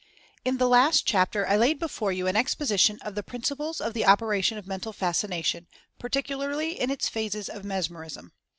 In the last chapter I laid before you an exposition of the principles of the operation of Mental Fascina tion, particularly in its phases of Mesmerism.